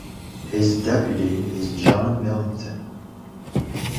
His deputy is John Millington.